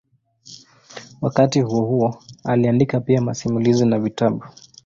Wakati huohuo aliandika pia masimulizi na vitabu.